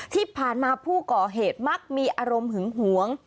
ที่ผ่านมาผู้ก่อเหตุมักมีอารมณ์หึงหวง